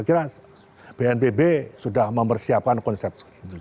saya kira bnpb sudah mempersiapkan konsep itu